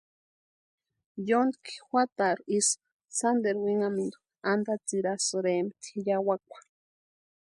Yontki juatarhu ísï sánteru winhamintu antatsirasïrempti yawakwa.